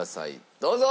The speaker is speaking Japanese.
どうぞ！